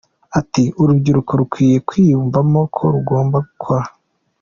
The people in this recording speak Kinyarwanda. Ati “Urubyiruko rukwiye kwiyumvamo ko rugomba gukora